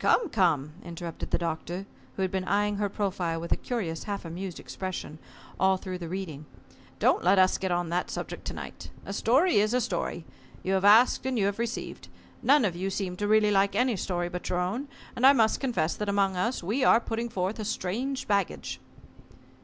"Come, come," interrupted the Doctor, who had been eyeing her profile with a curious half amused expression, all through the reading: "Don't let us get on that subject to night. A story is a story. You have asked, and you have received. None of you seem to really like any story but your own, and I must confess that among us, we are putting forth a strange baggage."